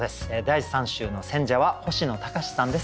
第３週の選者は星野高士さんです。